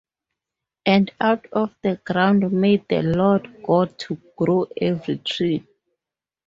And out of the ground made the Lord God to grow every tree